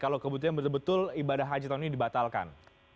kalau kebetulan ibadah haji tahun ini dibatalkan